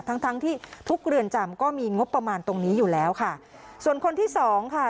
ทั้งทั้งที่ทุกเรือนจำก็มีงบประมาณตรงนี้อยู่แล้วค่ะส่วนคนที่สองค่ะ